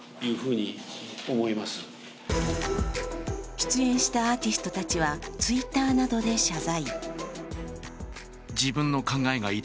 出演したアーティストたちは、Ｔｗｉｔｔｅｒなどで謝罪。